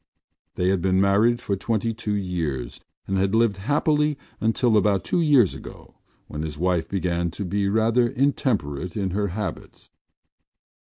They had been married for twenty two years and had lived happily until about two years ago when his wife began to be rather intemperate in her habits.